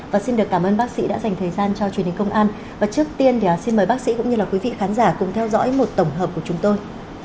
và xin được cảm ơn bác sĩ đã dành thời gian cho truyền hình công an và trước tiên thì xin mời bác sĩ cũng như quý vị khán giả cùng theo dõi một tổng hợp của chúng tôi